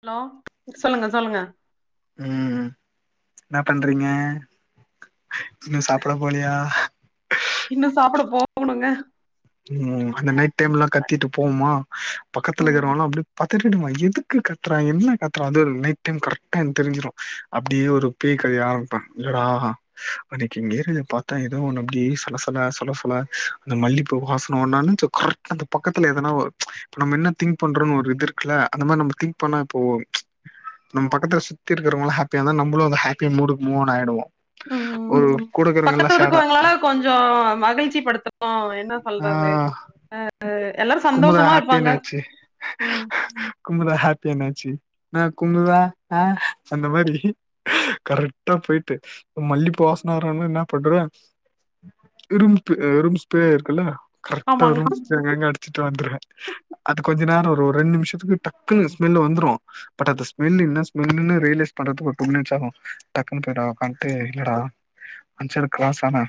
Hello சொல்லுங்க சொல்லுங்க ம் என்னா பண்றீங்க இன்னு சாப்ட போலயா போனுங்க ம் அந்த நைட் டைம் எல்லா கத்திட்டு போவோமா பக்கத்துல ம் இருக்கிறவல்லா அப்டியே திருடும்மா எதுக்கு கத்துறா என்ன கத்துறான் அது் நைட் டைம் கரெக்டா தெரிஞ்சிடும் அப்படியே ஒரு பேய் க தையாப்ப இல்லடா அனைக்கு நேர்ல பாத்தே ஏதோ ஒன்னு அப்டி சலசல சொல்லசொல அந்த மல்லிப் பூ வாசனம் நா என்னன்டு கரெக்டா அந்த பக்கத்துல எதுனா‌ ஒ நம்ம என்ன திங்க் பண்றோ ஒரு இது இருக்குல்ல அந்த மாரி நம் ம் திங்க் பண்ணா இப்போ நம்ம பக்கத்துல சுத்தி இருக்கிறவங்க ஹப்பியா இருந்த நம்மமாளும் அந்த ஹாப்பி மூடுக்கு மூவ் ஆன் ஆயிடுவோ ம் ஒரு கூடக்கிறவங்கல்லா சேடா பக்கத்தூர்க்குவங்களால கொஞ்சொ மகிழ்ச்சி படுத்துனோ நா என்ன சொல்றது ஆ அ அ எல்லாரும் குமுதா சந்தோஷமா ஹாப்பி இருப்பாங்க என்னாச்சு ம் குமுதா ஹாப் அடுத்த என்னாச்சு என்ன குமுதா அ அந்த மாரி கரெக்டா போயிட்டு மல்லிப்பூ வாசனாரன என்ன பண்ற இரும்பு இரும்ஸு பேய் இருக்குல்ல கரெக்டா ஆமாங்க ரூம் ஸ்பிரே அங்கங்க அடிச்சுட்டு வந்துருவே அது கொஞ்சொ நேரொ ரு ஒரு ரெண் நிமிஷத்துக்கு டக்குனு ஸ்மெல் வந்துரும் பட் அந்த ஸ்மெல் என்ன ஸ்மல்லுன்னு ரியலைஸ் பண்றது ஒரு டூ மினிட்ஸ் ஆகு டக்குன்னு போய்டா உக்கான்ட்டு இல்லடா அஞ்சைடு கிராஸ் ஆனே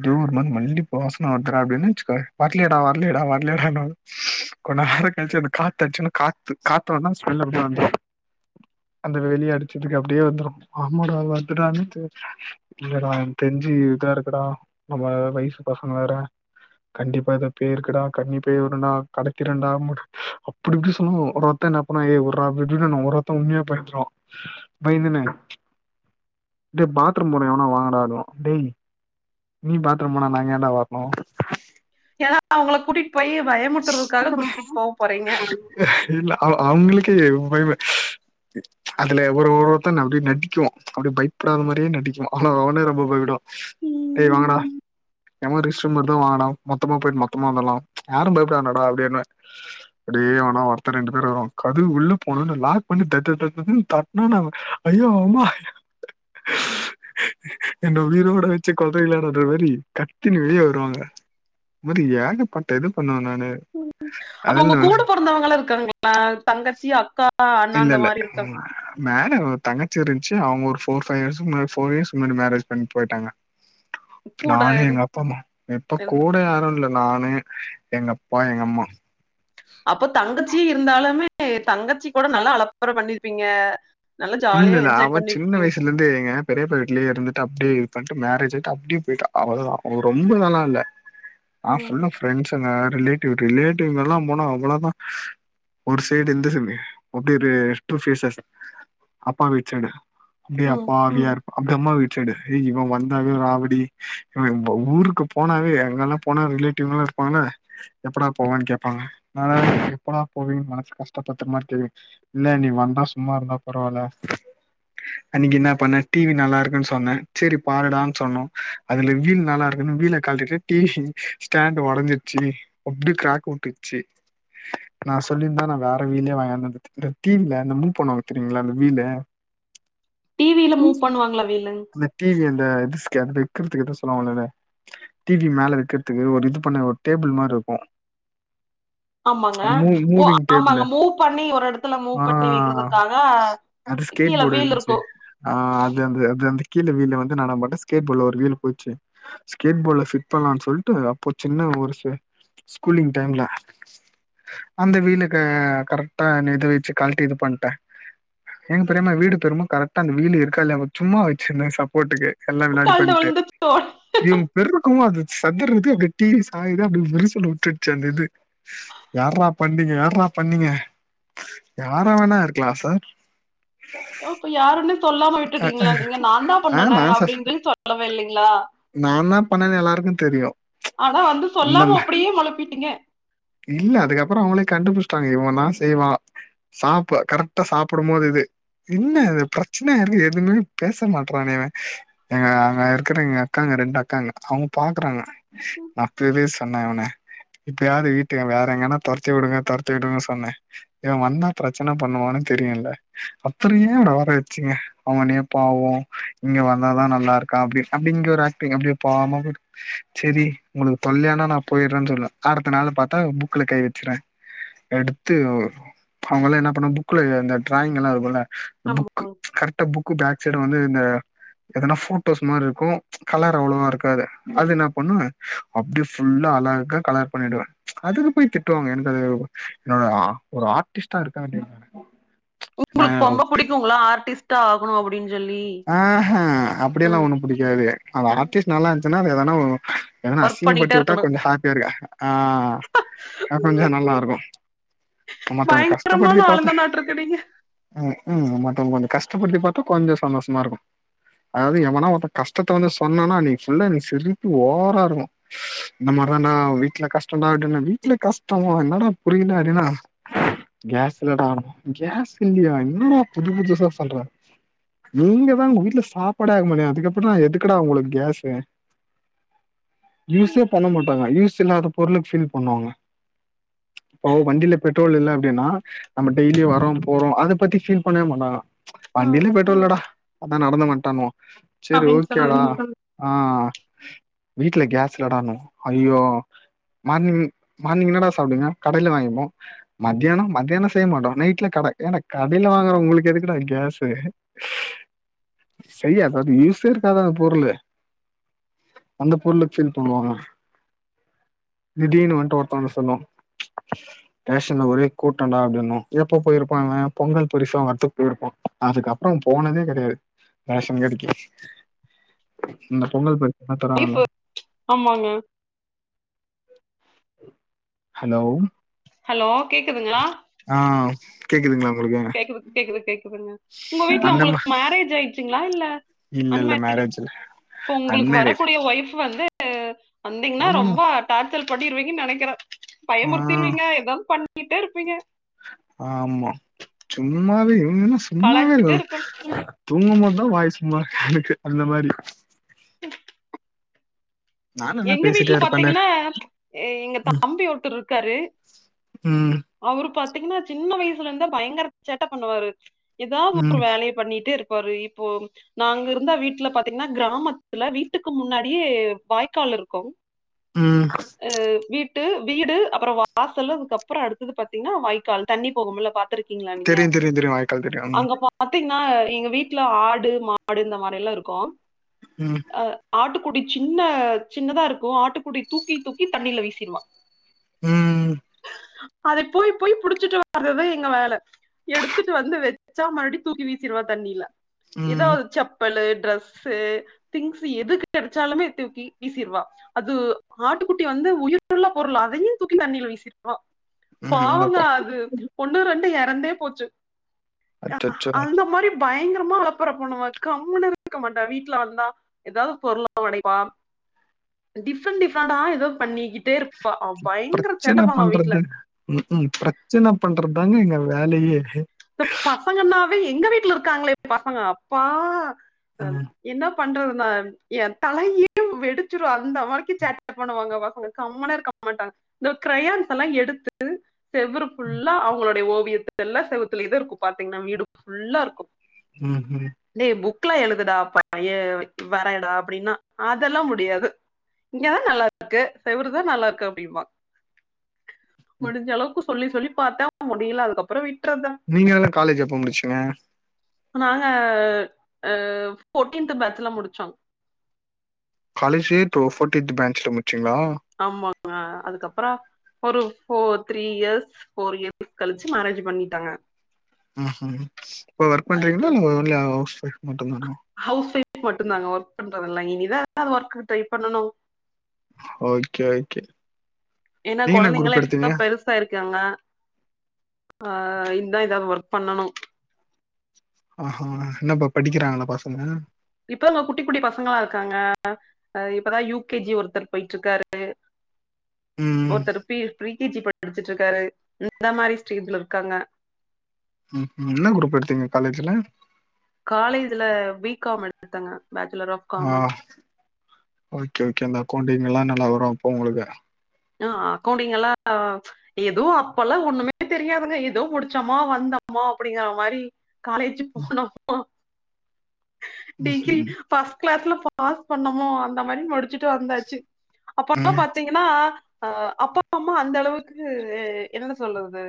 ஏதோ ஒரு மாரி மல்லி வாசன வருதுடா அப்டின்னு வச்சக்க வரலயடா வரலயடா வரலயடான்னுவா கொஞ்ச நேரொ கழிச்சு அந்த காத்து அடிச்சுன்னு காத்து காத்த வந்தா ஸ்மெல் அப்படியே வந்துரும் அந்த வெளிய அடிச்சதுக்கு அப்டியே வந்துரும் ஆமாடா வருதுடானு தெரு இல்லடா எனக்கு தெரிஞ்சு இதா இருக்குடா நம்ம வயசு பசங்க வேற கண்டிப்பா எதோ பேய் இருக்குடா கன்னி பேய் ஒன்னுனா கடத்திரும் டா அப்டி இப்டி சொல்லுவோ ஓட ஒருத்த என்ன பண்ண ஏய் வுட்றா நா ஓரத்த உண்மையா பயந்தும் பயந்துனே டேய் பாத்ரூம் போனே எவனா வாங்கடா டேய் நீ பாத்ரூம் போனா நா ஏன்டா வர்ணும் ஏன்னா அவங்கள கூட்டிட் போறீங்க இல்ல அவ அவங்களுக்கே பய்மே அதுல ஒரு ஒருத்தன் அப்டி நடிக்கும் அப்டி பயப்படாத மாதிரியே நடிக்கும் ஆனா அவனே ரொம்ப பயப்படுவா [unintelligible] டேய் வாங்கடா ம் எவன் ரெஸ்ட் ரூம் வருதோ வாங்கடா மொத்தமா போயிட்டு மொத்தமா வந்துர்லாம் யாரும் பயப்படாதீங்க டா அப்படின்னுவே அப்டியே ஆனா ஒருத்த ரெண்டு பேர் வருவான் கதவு உள்ள போனொனே லாக் பண்ணி தததததுன்னு தட்டுனொன்னா ஐயோ அம்மா என்ன உயிரோட வச்சு கொல்றிங்கலேட்டான்ற மாரி கத்தின்னு வெளியே வருவாங்க இது மாதிரி ஏகபட்டது பண்ணுவாங்க ம் அப்ப உங்க கூட பொறந்தவங்கள இருக்காங்களா தங்கச்சி அக்கா அ இல்ல இல்ல மேல ஒர் தங்கச்சி இருந்துச்சு அவங்க ஒரு ஃபோர் பைவ் இயர்ஸ் முன்னா ஃபோர் இயர்ஸ் முன்னாடி மேரேஜ் பண்ணி போயிட்டாங்க கூட நானு இரு- எங்க அப்பா அம்மா இப்ப இருந்து கூட யாரும் இல்ல நானு எங்க அப்பா எங்க அம்மா அப்போ தங்கச்சியே இருந்தாலுமே தங்கச்சி கூட நல்ல அலப்பற பண்ணிருப்பீங்க நல்லா இல்ல ஜாலியா இல்ல என்ஜாய் அவ சின்ன பண்ணிருப்பீங்க வயசுல இருந்தே எங்க பெரியப்ப வீட்டுலயே இருந்துட்ட அப்டியே பண்ட்டு மேரேஜ் ஆயிட்டு அப்டியே பெயிட்டா அவ்ளதா அவ ரொம்ப நாளா இல்ல ஆ ம் ஃபுல்ல ப்ரெண்ட்ஸ்ங்க ரிலேட்டிவ் ரிலேட்டிவ்ங்க எல்லா போனா அவ்ளோதான் ஒரு சைடு இந்த சொன்னே அப்டி ஒரு டூ ஃபேஸஸ் அப்பா வீட்டு சைடு அப்டியே ம் அப்பா நியர் அப்டி அம்மா வீட்டு சைடு இவன் வந்தாவே ராவடி இவ ஊருக்கு போனாவே எங்கல்லா போனா ரிலேட்டிவ்லா இருப்பாங்க எப்படா போவனு கேப்பாங்க நா எப்படா போவிங் மனசு கஷ்டப்பட்டு மாரி தெரியு இல்ல நீ வந்தா சும்மா இருந்தா பரவால்ல அன்னைக்கு என்ன பண்ணே டிவி நல்லா இருக்குன்னு சொன்னே செரி பாருடான் சொன்னோ அதுல வீல் நல்லா இருக்குன்னு வீல கழட்டு டிவி ஸ்டாண்ட் ஓடஞ்சிருச்சு அப்டி கிராக் விட்டுருச்சு நா சொல்லிருந்தா நா வேற வீலே வாங்கினந்துத்து இந்த டிவில இந்த மூவ் பண்ணுவாங்க பாத்துருகீங்ளா அந்த வீல டிவில மூவ் பண்ணுவாங்களா ஒர் வீல் இந்த டி வி அந்த துஸ்கனுப்பு வைக்கிறதுக்கு ஏதோ சொல்லுவாங்கள்ல டிவி மேல வைக்கிறதுக்கு ஒரு இது பண்ண ஒரு டேபிள் மாரி இருக்கு [unintelligible] ஆமாங்க மூ ஓ மூவிங் டேபிளு ஆமாங்க மூவ் பண்ணி ஒரு எடத்துல ஆ மூவ் பண்ணி வைக்கிறதுக்காக அது ஸ்கேட கீழ போர்டு வீல் இருந்துச்ச இருக்கும். ஆ அது அந்த அது அந் கீழ வீல்ல வந்து நா நம்ப வந்து ஸ்கேட் போர்ட்ல ஒரு லீவு போச்சு ஸ்கேட் போர்ட்ல ஃபிட் பண்லா சொல்ட்டு அப்போ சின் ன ஒரு ஸு ஸ்கூலிங் டைம்ல அந்த வீலுக்கு கரெக்டானு இது வெச்சு கழட்ட இது பண்ட்டே எங்க பெரியாம வீடு பெருமா கரெக்டா அந்த வீலு இருக்கா இல்லயாம சும்மா வை சின்ன சப்போர்ட்டுக்கு எல்லா முன்னாடி கழண்டு பண்ட்டு விழுந்துருச்சோ! இவங்க பெருக்குகு அது சதுரு உதிய வெட்டி சாயுது அப்டி வெரிசல் விட்டுருச்சு அந்த இது யாரா பண்ணீங்க யாரா பண்ணுங்க யாரா வேணா இருக்கலா சார் இப்ப யாருன்னே சொல்லாம விட்டுட்டீங்களா நீங்க நா தா ஆ பண்ணுனே சார் அப்டின்டு சொல்லவே இல்லைங்களா நா தா பண்ணேன்னு எல்லாருக்கு தெரியு ஆனா வந்து இந்த சொல்லாம மா அப்டியே முழுப்பிட்டீங்க இல்ல அதுக்கப்புற அவங்களே கண்டுபுடிச்சிட்டாங்க இவ தா செய்வா சாப்பு கரெக்டா சாப்பிடும் போது இது என்ன ம். இது பிர சின்னவருங்க எதுவுமே பேச மாட்றானே இவ எங்க அங்க இருக்கிற எங்க அக்காங்க ரெண்டு அக்காங்க அவங்க பாக்குறாங்க நா அப்பவே சொன்னே இவன இப்பயாது வீ க்குற வேற எங்கன்னா தொரத்தி விடுங்க தொரத்தி விடுங்கன்னு சொன்னே இவ வந்தா பிரச்சன பண்ணுவானு தெரியுல அப்பற ஏ அவன வர வச்சிங்க அவனே பாவோ இங்க வந்தாதா நல்லா இருக்கா அப்டி அப்டிங்கு வெற ஆக்டிங் அப்டியே பாவமா செரி உங்களுக்கு தொல்லயானா நா போய்டுறேன்னு சொன்னே அடுத்த நாள் பாத் தா புக்ல கை வெச்சுறே எடுத்து அவங்கல்லா என்ன பண்ண புக்ல இந்த டிராயிங் எல்லா இருக்குல ஆமா. புக்கு கரெக்டா புக் பேக் சைட் வந்து இந்த எதனா ஃபோட்டோஸ் மாரி இருக்கு கலர் அவ்வளவா இருக்காது அது என்ன பண்ணே அப்டியே ஃபுல்லா அழகா கலர் பண்ணிடுவே அதுக்கு போய் திட்டுவாங்க எனக்கு அது என்னோட ஒரு ஆர்டிஸ்ட்டா இருக்க வேண்டியவ உங்களுக்கு பொம்ப புடிக்குங்கள ஆர்டிஸ்ட்டா ஆகணு அப்படின் சொல்லி ஆஹா அ, அப்படியெல்லா ஒண்ணு புடிக்காது அது அ. ஆர்டிஸ்ட் நல்லா இருந்துச்சுன்னா அது எதனா ஒ எதனா ஒர்க் அசிங்க பண்ணிட்டே படுத்தி விட்டா இருக்கணும். கொஞ்ச ஹாப்பியா இருக்க ஆ அ கொஞ்ச ம். நல்லா இருக்கு மத்தவங்க பயங்கரமான கஷ்டப்படுத்தி பாத்து ஆளுங்கனாட்ருக்கு நீங்க. அ ம் மத்தவங்க கொஞ்ச கஷ்டப்படுத்தி பாத்தா கொஞ்ச சந்தோஷமா இருக்கு அதாவது எவனா ஒருத்த கஷ்டத்த வந்து சொன்னனா அன்னிக்கு ஃபுல்லா எனக்கு சிரிப்பு ஓவரா இருக்கு இந்த மா எதானா வீட்ல கஷ்ட டா அப்டின்ன வீட்ல கஷ்டமா என்னடா புரியல அப்டின்னா கேஸ் இல்லடா கேஸ் இல்லையா இன்னடா புது புதுசா சொல்ற நீங்க தா உங்க வீட்ல சாப்பாடே ஆக்க மாட்டியே அதுக்கு எப்பிட்றா எதுக்கடா உங்களுக்கு கேஸு ம். யூஸே பண்ண மாட்டாங்க யூஸ் இல்லாத பொருளுக்கு ஃபீல் பண்ணுவாங்க இப்போ வண்டியில பெட்ரோல் இல்ல அப்டின்னா நம்ம டெய்லி வரோ போறோ அத பத்தி ஃபீல் பண்ணவே மாட்டாங்க அ வண்டியில பெட்ரோல் இல்லடா அதா நடந்து வந்டேனுவா செரி அப்படின்னு ஓகேடா சொல்லிருவாங்க. ஆ வீட்டுல கேஸ் இல்லடானுவா ஐயோ மார்னிங் மார்னிங் என்னடா சாப்டுவிங்க கடையில வாங்கிப்போ மத்தியானொ மத்தியானொ செய்ய மாட்டோ நைட்ல க ட ஏன்டா கடையில வாங்குற உங்களுக்கு எதுக்குடா கேஸு செய் அத யூசே இருக்காது அந்த பொருளு அந்த பொருக்கு ஃபீல் பண்ணுவாங்க நிடீனு வந்ட்டு ஒக்காந்து சொல்லுவா ரேஷன்ல ஒரே கூட்டண்டா அப்டின்வா எப்ப போயிருப்பா பொங்கல் பரிச வாங்குறதுக்கு போயிருப்பா அதுக்கப்புற போனதே கெடையாது ரேஷன் கடைக்கி இந்த பொங்கல் பரி இப்போ ஆமாங்க ஹலோ ஹலோ கேக்குதுங்களா? ஆ கேக்குதுங்ளா கேக்குது கேக்குது கேக்குதுங்க உங்க வீட்ல உங்குளுக்கு மேரேஜ் ஆயிச்சுங்ளா இல்ல அன்மே இல்லல்ல மேரேஜ்ல இப்ப உங்குளுக்கு வரக்கூடிய ஒய்ஃப் வந்து வந்தீங்னா ஆமாண்ணா ரொம்ப அட்டாச் ல் பண்ணிருவீங்கன் நெனைக்கிறே ஆ பயமுறுத்திருவீங்க எதொன் பண்ணிட்டே இருப்பீங்க ஆமா சும்மாவே ம் சும்மாவேங்கோ கலாய்ச்சிட்டே இருக்கணும் ரொம்ப நல்லா வாய் சும்மா எனக்கு அந்த மாரி நா நல்லா எங்க பேசிட்டே வீட்ல இருப்பேனே பாத்தீங்னா எங்க ம், தம்பி ஒர்த்தர் இருக்காரு ம் அவுரு பாத் தீங்னா சின்ன வயசுலேந்தே பயங்கர சேட்ட பண்ணுவாரு ஏதாவ்து ஒரு ம் வேலைய பண்ணிட்டே இரு பாரு இப்போ நாங்கருந்த வீட்ல பாத்தீங்னா கிராமத்துல வீட்டுக்கு முன்னாடியே வாய்க் கால் இருக்கூ ம் ஆ வீட் டு வீடு அப்றோ வாசலு அதுக்கப்றோ அடுத்தது பாத்தீங்னா வாய்க்கால் தண்ணி போகும்ல பாத்திருக் கீங்ளா நீங்க தெரியும் தெரியும் தெரியும் வாய்க்கால் தெரியும் அங்க பாத்தீங் ஆ எங்க வீட்ல ஆடு மாடு இந்த மாரி எல்லா இருக்கூ ம் ஆட்டுக்குடி சின்ன சின்னதா இருக்கூ ஆட்டுக்குடி தூக்கி தூக்கி தண்ணில வீசிருவா ம் அத போய் போய் புடிச்சிட்டு வர்றதா எங்க வேல எடுத்துட்டு வந்து வச்சா மறுபடி தூக்கி வீஸ் சிருவா தண்ணில ம் எதாவு செப்பலு ட்ரெஸ்ஸு திங்ஸு எது கெடைச்சாலுமே தூக்கி வீசிருவா அது ஆட்டுக்குட்டி வந்து உயிருள்ள பொருள் அதையு தூக்கி தண்ணில வீசிருவா ம் பாவோங்க என்னப்பா அது ஒன்னு ரெண்டு எறந்தே போச்சு அ அச்சோ அந்த மாரி பயங்கரமா அலப்பர பண்ணுவா கம்முனு இருக்க மாட்டா வீட்டுலார்ந்தா ஏதாவ்து பொருள ஒடைப்பா டிஃபெண்ட் டிஃபாடா எதோ பண்ணிக்கிட்டேருப் சுப்ரச்சன பண்றது ம் ம் ப்ரச்சன பண்றத்தாங்க எங்க வேலையே பப் பசங்கனாவே எங்க வீட்ல இருக்காங்களே பசங்க அப்பா ம் என்னப் பண்றது நான் ஏந்தலையே வெடிச்சிடூ அந்த வரைக்கூ சேட் பண்ணுவாங்க பசங்க கம்மனுர்க்க மாட்டா இந்த கிரையான்ஸ் எல்லா எடுத்து செவ்ரு ஃபுல்லா அவங்களுடைய ஓவியத்து எல்லா செவுத்லேதா இருக்கூ பாத்தீங்னா வீடு ஃபுல்லா இருக்கூ ம் ம் க்ல எழுதுடா ப ஏ வரடா அப்டின்னா அதெல்லா முடியாது இங்கதா நல்லாருக்கு செவுருதா நல்லாருக்கு அப்டிம்பா ம். முடிஞ்சளவுக்கு சொல்லி சொல்லி பாத்தே முடில அதுக்கப்றோ விட்றத்தா நீங்க எல்லா காலேஜ் எப்ப முடிச்சிங்க நாங்க அ ஃபோர்டீன்த்து பேட்ச்சுல முடிச்சோ காலேஜ்லே இப்போ ஃபோர்டின்த் பேன்சும் ஆமா ஆ அதுக் கப்றோ ஒரு four three years four years கழிச்சு மேரேஜு பண்ணிட்டாங்க ம்ஹும் இப்ப ஒர்க் பண்றீங்களா இல்ல ஒன்லி ஹவுஸ் வைஃப் மட்டுந்தானா ஹவுஸ் மட்டுந்தாங்க ஒர்க் பண்றதா இல் இனிதா ஒர்க்கு ட்ரை பண்ணணு ஓகே ஓகே ஏனா நீங்க என்ன கொழந்தைங்கலா குரூப் இப்பதா எடுத்தீங்க பெருசாயிருக்காங்க ஆ இந்தா எதா வர்க் பண்ணணு ஆஹா என்னப்பா படிக்கிறாங்களா பசங்க இப்ப அவுங்க குட்டி குட்டி பசங்ளா இருக்காங்க அ இப்பதா யூ கே ஜி ஒருத்தர் போய்ட்ருக்காரு ம், ஒருத்தரு பி ஃபிரீ கீஜீ படிச்சிட்ருக்காரு இந்த மாரி ஸ்டேஜ்ல இருக்காங்க உம் உம் என்ன குரூப்பு எடுத்தீங்க காலேஜ்ல காலேஜுல பி காம் எடுத்தங்க bachelor of ah commerce okay okay அந்த அக்கவுண்டிங்கில்லா நல்லா வரு அப்போ உங்ளுக்கு ஆ அக்கவுண்டிங்கில்லா எதோ அப்பல்லா ஒன்னுமே தெரியாதுங்க ஏதோ முடிச்சோமா வந்தம் மோ அப்டிங்கிற மாரி காலேஜுக் போனோ ப்போ டிகிரி ம்ஹ்ம். ஃபஸ்ட் கிளாஸ்ல பாஸ் பண்ணமோ அந்த மாரி முடிச் ச்சிட்டு வந்தாச்சி அப்பலா ம், பாத்தீங்கனா அ அப்பா அம்மா அந்தளவுக்கு ஏ என்னனு சொல்றது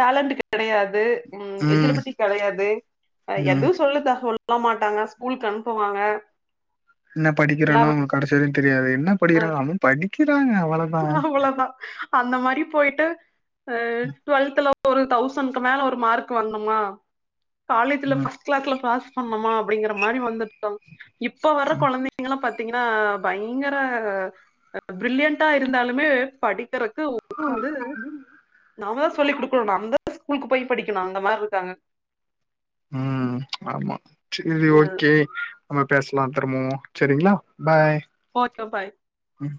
டேலண்ட்டு கெடையாது உம் ம், எஜிலிபிலிட்டி கெடையாது ம். எதுவு சொல்லத்தகு சொ ல்ல மாட்டாங்க ஸ்கூல்க்கு அனுப்புவாங்க என்னப் படிக்கிறானோ அவுங்களுக்கு கடைசி வரைக்கு தெரியாது என்னப் படிக்கிறாங்க அவும் படிப் அவ்ளதா அந்த மாரி போயிட்டு அ டுவெல்த்துல ஒரு தௌசண்க்கு மேல ஒரு மார்க் வாங்குணமா காலேஜ்ல ம், ஃபஸ்ட் கிளாஸ்ல பாஸ் பஃம்மமா அப்டிங்கிற மாரி வந்துட்டோ இப்ப வர கொழந்தைங்களா பாத் த்திங்கினா பயங்கர பிரில்லியண்டா இருந்தாலுமே படிக்கறக் து உக்காந்து நாமதா சொல்லி் குடுக்கணு நம்தா ஸ்கூல்க்கு போய் படிக்கணு அந்த மார்ருக்காங்க உம் ஆமா சேரி ஓகே நம்ம பேஸ்லா திரும்பவு செரிங்ளா பாய் ஓகே பாய் உம்